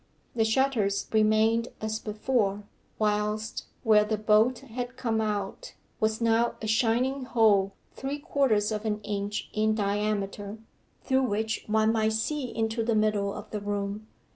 The shutters remained as before, whilst, where the bolt had come out, was now a shining hole three quarters of an inch in diameter, through which one might see into the middle of the room.